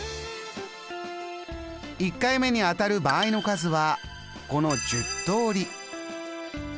１回目に当たる場合の数はこの１０通り。